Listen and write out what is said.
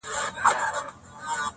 o بد باڼجڼ افت نه وهي!